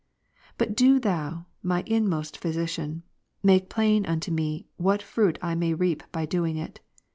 4. But do Thou, my inmost Physician, make plain unto me, what fruit I may reap by doing it.